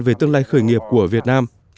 về tương lai khởi nghiệp của việt nam